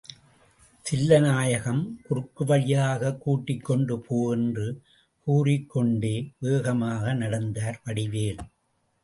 தில்லைநாயகம், குறுக்கு வழியாகக் கூட்டிக்கொண்டு போ என்று கூறிக்கொண்டே வேகமாக நடந்தார் வடிவேல்.